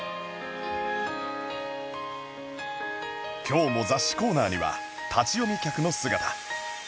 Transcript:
今日も雑誌コーナーには立ち読み客の姿